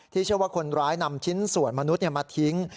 เชื่อว่าคนร้ายนำชิ้นส่วนมนุษย์มาทิ้ง